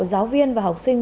giáo viên và học sinh